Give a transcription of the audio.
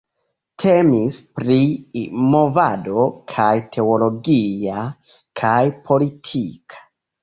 Temis pri movado kaj teologia kaj politika.